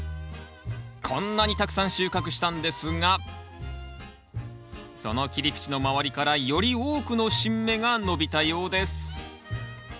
こんなにたくさん収穫したんですがその切り口の周りからより多くの新芽が伸びたようです